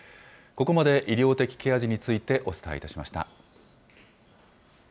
ここまで医療的ケア児についてお伝えいたしました。